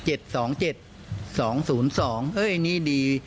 เอ่อ๗๒๗๒๐๒เอ๊ะอันนี้ดี